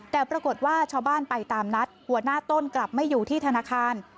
แต่ปรากฏว่าชาวบ้านไปตามนัดหัวหน้าต้นกลับไม่อยู่ที่ธนาคาร